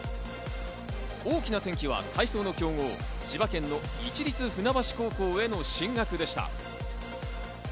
大きな転機は体操の強豪、千葉県の市立船橋高校への進学でした。